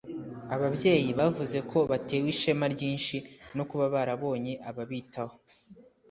Ababyeyi bavuze ko batewe ishema ryinshi no kuba barabonye ababitaho